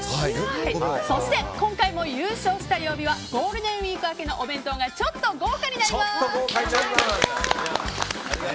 そして、今回も優勝した曜日はゴールデンウィーク明けのお弁当がちょっと豪華になります。